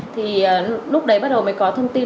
thì lúc đấy bắt đầu mới có thông tin